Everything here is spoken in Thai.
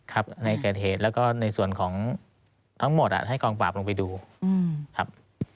ครับในเกิดเหตุแล้วก็ในส่วนของทั้งหมดให้กองปราบลงไปดูครับ